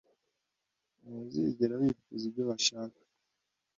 ntuzigera wifuza ibyo bashaka